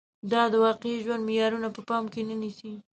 دا د واقعي ژوند معيارونه په پام کې نه نیسي